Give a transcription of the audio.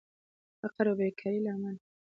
فقر او بیکارې له امله